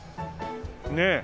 ねえ。